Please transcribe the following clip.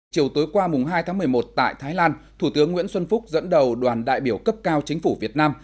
chiều tối qua hai tháng một mươi một tại thái lan thủ tướng nguyễn xuân phúc dẫn đầu đoàn đại biểu cấp cao chính phủ việt nam